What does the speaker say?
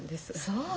そう。